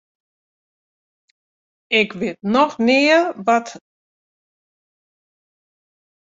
Ik wit noch nea net wat ik oan him haw.